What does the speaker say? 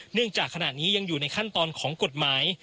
จากขณะนี้ยังอยู่ในขั้นตอนของกฎหมาย